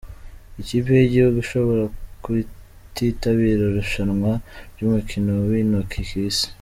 Ikipe yigihugu ishobora kutitabira irushanwa ryumukino wintoki k’isi